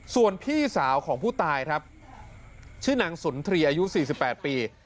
ส่วนพี่สาวของผู้ตายครับชื่อนางสุนทรีย์อายุ๔๘ปี